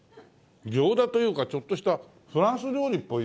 餃子というかちょっとしたフランス料理っぽいよ。